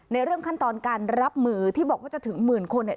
เรื่องขั้นตอนการรับมือที่บอกว่าจะถึงหมื่นคนเนี่ย